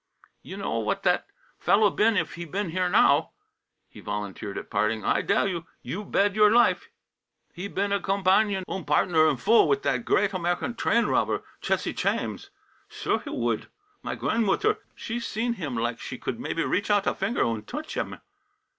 "You know what that fellow been if he been here now," he volunteered at parting. "I dell you, you bed your life! He been a gompanion unt partner in full with that great American train robber, Chessie Chames. Sure he would. My grantmutter she seen him like she could maybe reach out a finger unt touch him!"